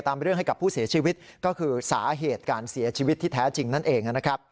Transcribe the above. เรื่องให้กับผู้เสียชีวิตก็คือสาเหตุการเสียชีวิตที่แท้จริงนั่นเองนะครับ